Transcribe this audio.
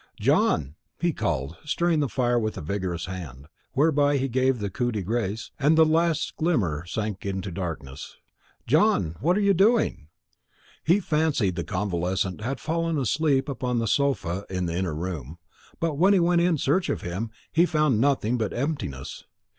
"John!" he called, stirring the fire with a vigorous hand, whereby he gave it the coup de grace, and the last glimmer sank to darkness. "John, what are you doing?" He fancied the convalescent had fallen asleep upon the sofa in the inner room; but when he went in search of him, he found nothing but emptiness.